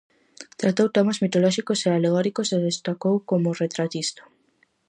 Tratou temas mitolóxicos e alegóricos e destacou como retratista.